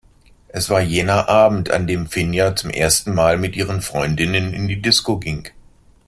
Es war jener Abend, an dem Finja zum ersten Mal mit ihren Freundinnen in die Disco ging.